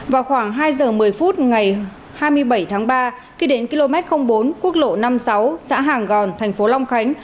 vào khoảng hai giờ một mươi phút ngày hai mươi bảy tháng ba khi đến km bốn quốc lộ năm mươi sáu xã hàng gòn thành phố long khánh